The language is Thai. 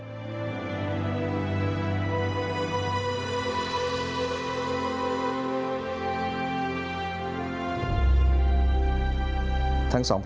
อิสระสมภารพิวราณมงุมศาสตร์